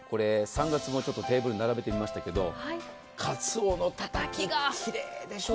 ３月もテーブルに並べてみましたけど、かつおのたたきがきれいでしょ。